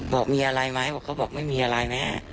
บอกมีอะไรไหมบอกเขาบอกไม่มีอะไรแม่